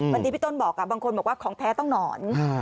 เมื่อกี้พี่ต้นบอกบางคนบอกว่าของแท้ต้องหนอน